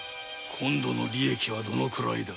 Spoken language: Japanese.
今度の利益はどの位だ。